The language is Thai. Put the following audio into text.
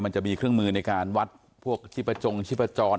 มันจะมีเครื่องมือในการวัดพวกชิบประจงชิบประจอน